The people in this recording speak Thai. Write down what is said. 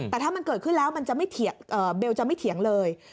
แต่ถ้ามันเกิดขึ้นแล้วเบลจะไม่เถียงเลย